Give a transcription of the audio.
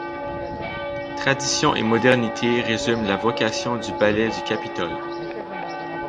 Tradition et modernité résument la vocation du Ballet du Capitole.